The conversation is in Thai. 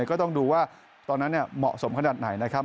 ก็ต้องดูว่าตอนนั้นเหมาะสมขนาดไหนนะครับ